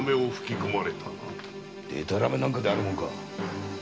でたらめなんかであるもんか！